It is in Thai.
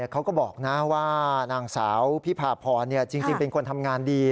เขาก็บอกนะว่านางสาวพิพาพรจริงเป็นคนทำงานดี